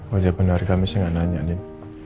wajah bener hari kamisnya gak nanya din